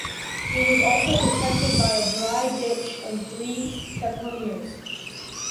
It was also protected by a dry ditch and three caponiers.